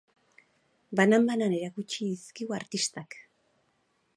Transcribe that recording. Banan-banan erakutsi dizkigu artistak.